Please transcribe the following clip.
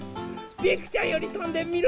ピンクちゃんよりとんでみる？